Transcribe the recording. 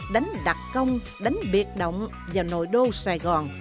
đánh đặc công đánh biệt động vào nội đô sài gòn